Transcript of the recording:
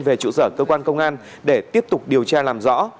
về trụ sở cơ quan công an để tiếp tục điều tra làm rõ